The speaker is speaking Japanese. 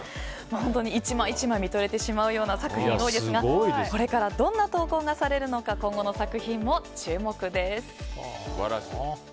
本当に１枚１枚見とれてしまうような作品が多いですがこれからどんな投稿がされるのか今後の作品も注目です。